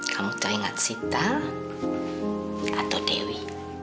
kamu teringat sita atau dewi